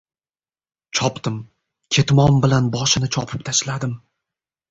Chopdim. Ketmon bilan boshini chopib tashladim.